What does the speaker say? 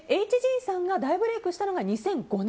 ＨＧさんが大ブレークしたのが２００５年。